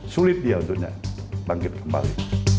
sulit dia untuknya bangkit kembali